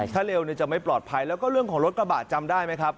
ถ้าเร็วจะไม่ปลอดภัยแล้วก็เรื่องของรถกระบะจำได้ไหมครับ